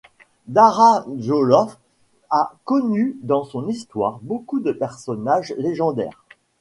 Dahra Djoloff a connu dans son histoire beaucoup de personnages légendaires.